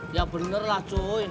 ya bener lah cuy